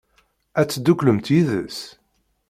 Ad tedduklemt yid-s?